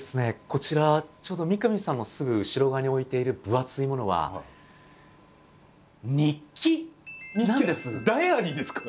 こちらちょうど三上さんのすぐ後ろ側に置いている分厚いものはダイアリーですか？